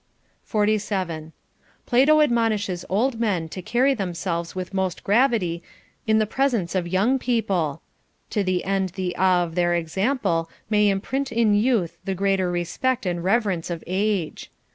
47. Plato admonishes old men to carry themselves with most gravity in the presence of young people, to the end the awe of their example may imprint in youth the greater respect and reverence of age.